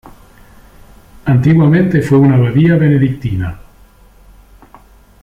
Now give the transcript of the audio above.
Antiguamente fue una abadía benedictina.